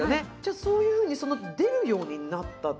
そういうふうに出るようになったっていうのは。